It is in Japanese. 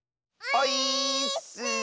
オイーッス！